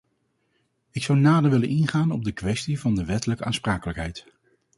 Ik zou nader willen ingaan op de kwestie van de wettelijke aansprakelijkheid.